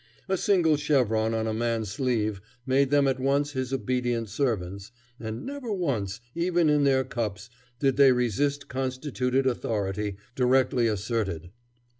A single chevron on a man's sleeve made them at once his obedient servants, and never once, even in their cups, did they resist constituted authority, directly asserted.